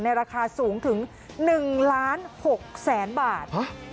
ราคาสูงถึง๑ล้าน๖แสนบาท